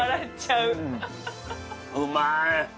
うまい。